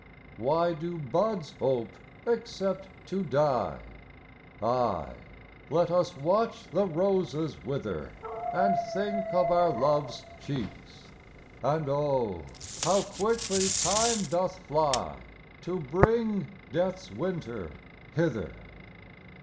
Why do buds ope except to die? Ay, let us watch the roses wither, And think of our loves' cheeks; And oh! how quickly time doth fly To bring death's winter hither!